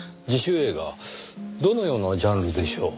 どのようなジャンルでしょう？